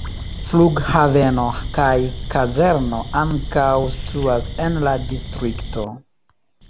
Flughaveno kaj kazerno ankaŭ situas en la distrikto.